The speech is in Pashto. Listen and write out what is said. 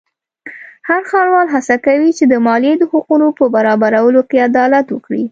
هر ښاروال هڅه کوي چې د مالیې د حقونو په برابرولو کې عدالت وکړي.